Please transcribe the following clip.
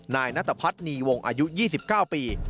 นายนัตพัฒนีวงอายุ๒๙ปี